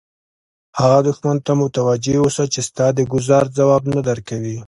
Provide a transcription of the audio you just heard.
هغه دښمن ته متوجه اوسه چې ستا د ګوزار ځواب نه درکوي.